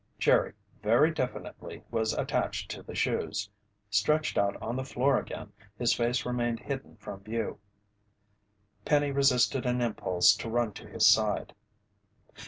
Jerry, very definitely was attached to the shoes. Stretched out on the floor again, his face remained hidden from view. Penny resisted an impulse to run to his side.